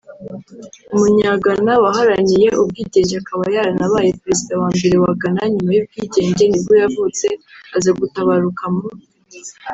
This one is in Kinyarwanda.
umunyagana waharaniye ubwigenge akaba yaranabaye perezida wa mbere wa Ghana nyuma y’ubwigenge nibwo yavutse aza gutabaruka mu